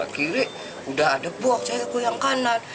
kiri udah ada box saya ke yang kanan